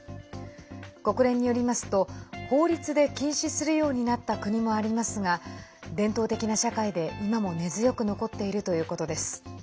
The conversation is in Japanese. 国連によりますと法律で禁止するようになった国もありますが伝統的な社会で今も根強く残っているということです。